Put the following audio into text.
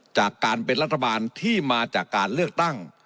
จากการเป็นรัฐบาลที่มาจากการเลือกตั้ง